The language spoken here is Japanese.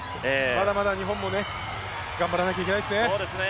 まだまだ日本も頑張らなきゃいけないですね。